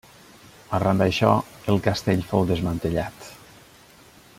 Arran d'això, el castell fou desmantellat.